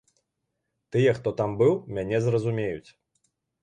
Тыя, хто там быў, мяне зразумеюць.